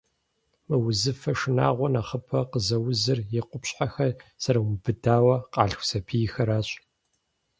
Мы узыфэ шынагъуэр нэхъыбэу къызэузыр и къупщхьэхэр зэрымубыдауэ къалъху сабийхэращ.